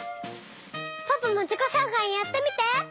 ポポもじこしょうかいやってみて！